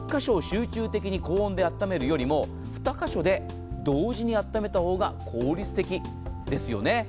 １カ所を集中してあっためるよりも２カ所で同時にあっためた方が効率的ですよね。